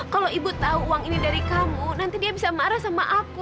kalau ibu tahu uang ini dari kamu nanti dia bisa marah sama aku